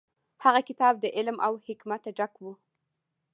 هغه کتاب د علم او حکمت ډک و.